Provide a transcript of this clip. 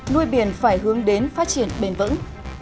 nuôi biển phải hướng đến phát triển bền vững